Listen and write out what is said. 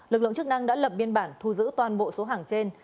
lực lượng chức năng đã lập biên bản thu giữ toàn bộ số hàng trên